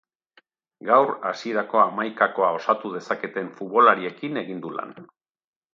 Gaur hasierako hamaikakoa osatu dezaketen futbolariekin egin du lan.